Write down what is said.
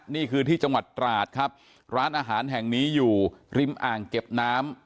นี่คือที่จังหวัดตราดครับร้านอาหารแห่งนี้อยู่ริมอ่างเก็บน้ำ